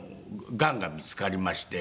がんが見つかりまして。